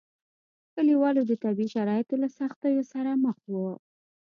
کلیوالو د طبیعي شرایطو له سختیو سره مخ وو.